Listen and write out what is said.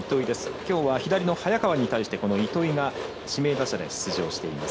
きょうは左の早川に対して糸井が指名打者で出場しています。